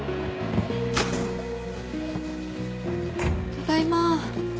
ただいま。